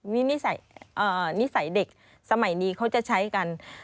นิสนิสัยเด็กสมัยนี้เขาจะใช้กัน